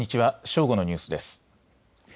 正午のニュースです。